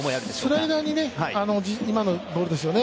スライダーにね今のボールですよね。